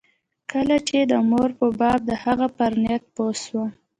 کله چې د مور په باب د هغه پر نيت پوه سوم.